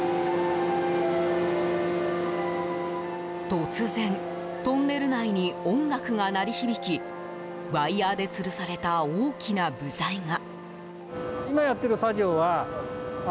突然トンネル内に音楽が鳴り響きワイヤでつるされた大きな部材が。